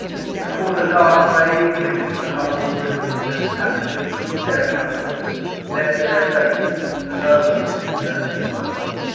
I caught a last vague glimpse of the huddled group of marooned passengers, staring up at us. Left to their fate, alone on this deserted world.